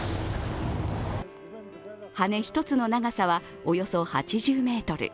羽根１つの長さはおよそ８０ｍ。